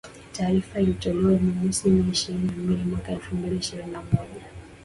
Taarifa ilitolewa Jumamosi Mei ishirini na mbili mwaka elfu mbili na ishirini na moja